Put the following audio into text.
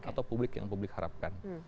atau publik yang publik harapkan